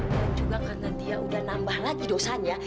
dan juga karena dia udah nambah lagi dosanya